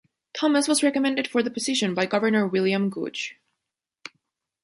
Thomas was recommended for the position by Governor William Gooch.